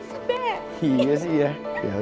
saya sudah ingin tahan